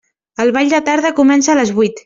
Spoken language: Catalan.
El ball de tarda comença a les vuit.